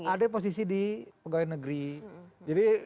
ada posisi di pegawai negeri